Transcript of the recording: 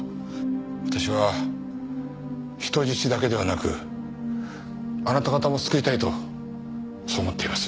私は人質だけではなくあなた方も救いたいとそう思っています。